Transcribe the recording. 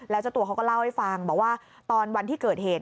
แล้วเจ้าตัวเขาก็เล่าให้ฟังบอกว่าตอนวันที่เกิดเหตุ